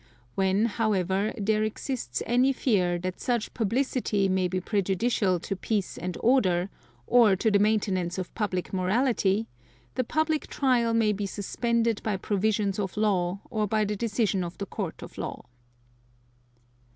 When, however, there exists any fear, that such publicity may be prejudicial to peace and order, or to the maintenance of public morality, the public trial may be suspended by provisions of law or by the decision of the Court of Law.